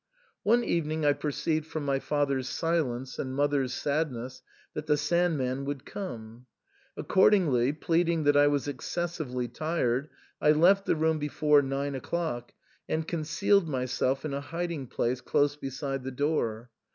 One evening I perceived from my father's silence and mother's sadness that the Sand man would come ; accordingly, pleading that I was excessively tired, I left the room before nine o'clock and concealed myself in a hiding place close beside the door.